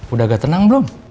udah agak tenang belum